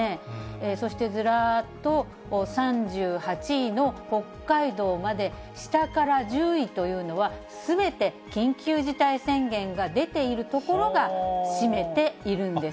そしてずらっと３８位の北海道まで、下から１０位というのは、すべて緊急事態宣言が出ている所が占めているんです。